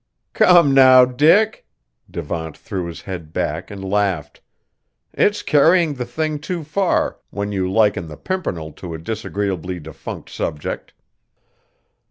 "Come, now, Dick!" Devant threw his head back and laughed; "it's carrying the thing too far when you liken the Pimpernel to a disagreeably defunct subject."